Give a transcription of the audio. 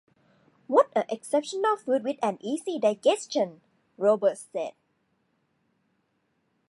“What a exceptional food with an easy digestion!”, Roberts said.